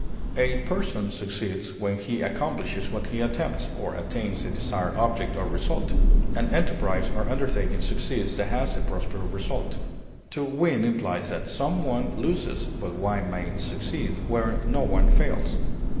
A person succeeds when he accomplishes what he attempts, or attains a desired object or result; an enterprise or undertaking succeeds that has a prosperous result. To win implies that some one loses, but one may succeed where no one fails.